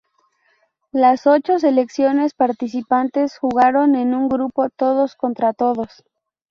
Las ocho selecciones participantes jugaron en un grupo todos contra todos.